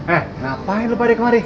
eh ngapain lo badai kemari